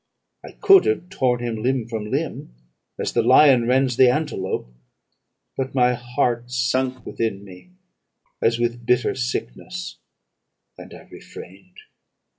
I could have torn him limb from limb, as the lion rends the antelope. But my heart sunk within me as with bitter sickness, and I refrained.